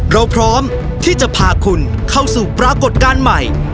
เราพร้อมที่จะพาคุณเข้าสู่ปรากฏการณ์ใหม่